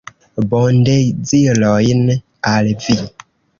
Bondezirojn al vi!